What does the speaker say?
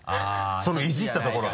そのイジったところが。